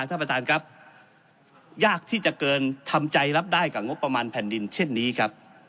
ท่านประธานครับยากที่จะเกินทำใจรับได้กับงบประมาณแผ่นดินเช่นนี้ครับ